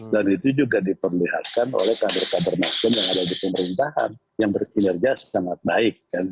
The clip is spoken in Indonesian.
dan itu juga diperlihatkan oleh kader kader nasdem yang ada di pemerintahan yang berkinerja sangat baik